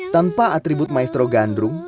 tanpa atribut maestro gandrung